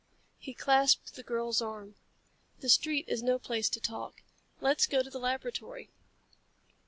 He clasped the girl's arm. "The street is no place to talk. Let's go to the laboratory."